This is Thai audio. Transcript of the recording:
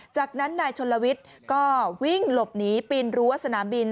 จากนั้นนายชนลวิทย์ก็วิ่งหลบหนีปีนรั้วสนามบิน